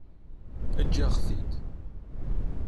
Eǧǧ-aɣ-t-id.